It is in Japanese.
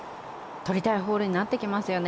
取りたいホールになってきますよね。